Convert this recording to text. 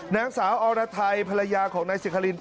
นางสาวออละไทยภรรยาของนายสิริคารินเปิดใจ